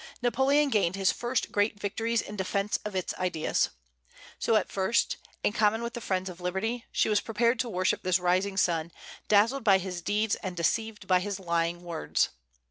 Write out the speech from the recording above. Napoleon gained his first great victories in defence of its ideas. So at first, in common with the friends of liberty, she was prepared to worship this rising sun, dazzled by his deeds and deceived by his lying words.